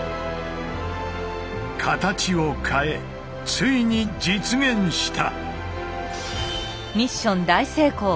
形を変えついに実現した。